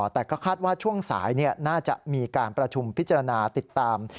แต่ก็คาดว่าช่วงสายน่าจะมีการประชุมพิจารณาติดตาม